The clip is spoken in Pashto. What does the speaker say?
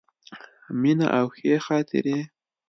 مینه او ښې خاطرې.